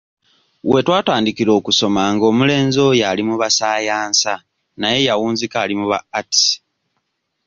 Wetwatandikira okusoma ng'omulenzi oyo ali mu basaayansa naye yawunzika ali mu ba arts.